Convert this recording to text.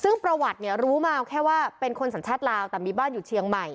ซึ่งประวัติเนี่ยรู้มาแค่ว่าเป็นคนสัญชาติลาวแต่มีบ้านอยู่เชียงใหม่